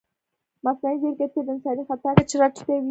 مصنوعي ځیرکتیا د انساني خطا کچه راټیټوي.